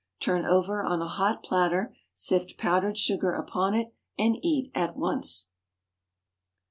Turn over on a hot platter, sift powdered sugar upon it, and eat at once.